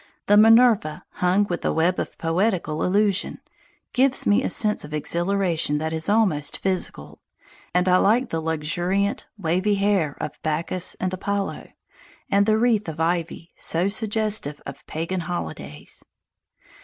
The Minerva, hung with a web of poetical allusion, gives me a sense of exhilaration that is almost physical; and I like the luxuriant, wavy hair of Bacchus and Apollo, and the wreath of ivy, so suggestive of pagan holidays.